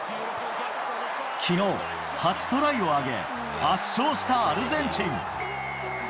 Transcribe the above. きのう、８トライを挙げ、圧勝したアルゼンチン。